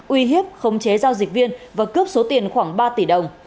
uy hiếp khống chế giao dịch viên và cướp số tiền khoảng ba tỷ đồng